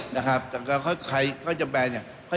แต่ใครจะแพรงเนี่ย